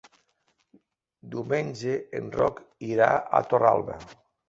Diumenge en Roc irà a Torralba.